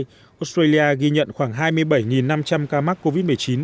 tại đây australia ghi nhận khoảng hai mươi bảy năm trăm linh ca mắc covid một mươi chín